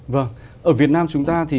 vâng ở việt nam chúng ta thì